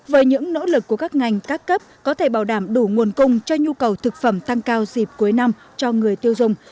với những nỗ lực của các ngành các cấp có thể bảo đảm đủ nguồn cung cho nhu cầu thực phẩm tăng cao dịp cuối năm cho người tiêu dùng